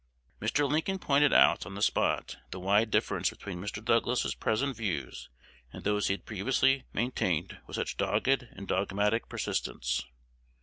Mr. Lincoln pointed out on the spot the wide difference between Mr. Douglas's present views and those he had previously maintained with such dogged and dogmatic persistence.